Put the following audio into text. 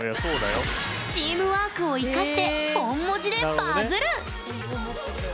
チームワークを生かしてポン文字でバズる！